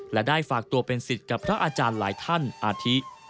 และได้ฝากตัวเป็นสิทธิ์กับพระอาจารย์หลายท่านอาทิ